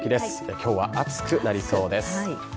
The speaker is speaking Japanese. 今日は暑くなりそうです。